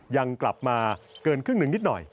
ยังกลับมาเกินครึ่งหนึ่งนิดหน่อย